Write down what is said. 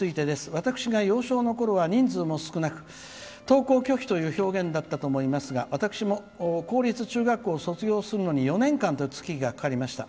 私が幼少のころは人数も少なく登校拒否という表現だったと思いますが私も、公立中学校を卒業するのに４年間という月日がかかりました。